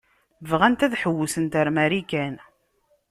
Bɣant ad hewwsent ar Marikan.